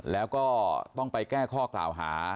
แล้วก็ต้องไปแก้ข้อกล่าวหา